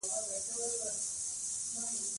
افغانستان کې نفت د خلکو د خوښې وړ ځای دی.